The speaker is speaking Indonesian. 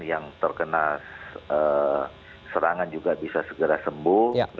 yang terkena serangan juga bisa segera sembuh